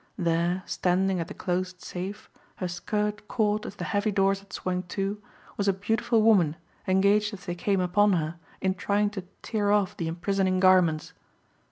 There, standing at the closed safe, her skirt caught as the heavy doors had swung to, was a beautiful woman engaged as they came upon her in trying to tear off the imprisoning garments.